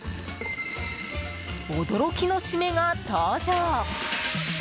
驚きのシメが登場。